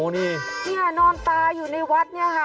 นี่นอนตายอยู่ในวัดเนี่ยค่ะ